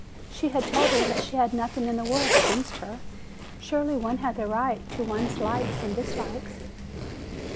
She had told her that she had nothing in the world against her. Surely one had the right to one's likes and dislikes!